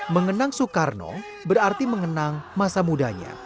mengenang soekarno berarti mengenang masa mudanya